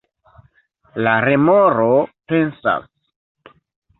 La remoro pensas: